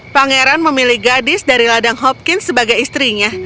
pangeran memilih gadis dari ladang hopkins sebagai istrinya